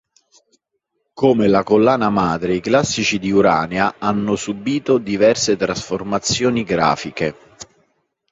Come la collana madre, I Classici di Urania hanno subìto diverse trasformazioni grafiche.